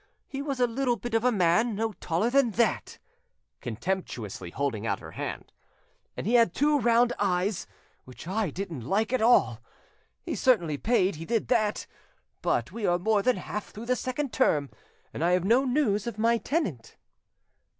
He was a little bit of a man, no taller than that,"—contemptuously holding out her hand,—"and he had two round eyes which I didn't like at, all. He certainly paid, he did that, but we are more than half through the second term and I have no news of my tenant."